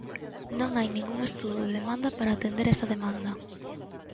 Non hai ningún estudo de demanda para atender esa demanda.